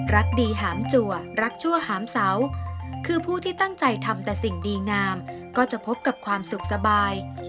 รักดีหามจัวรักชั่วหามเสาคือผู้ที่ตั้งใจทำแต่สิ่งดีงามก็จะพบกับความสุขสบาย